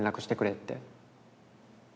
って。